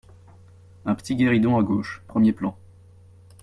Un petit guéridon à gauche, premier plan.